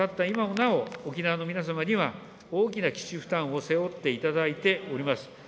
今もなお、沖縄の皆様には大きな基地負担を背負っていただいております。